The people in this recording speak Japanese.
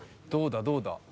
どうだどうだ。